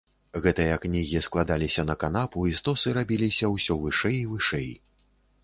Гэтыя кнігі складаліся на канапу, і стосы рабіліся ўсё вышэй і вышэй.